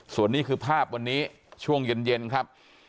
ส่วนนี้คือภาพวันนี้ช่วงเย็นครับ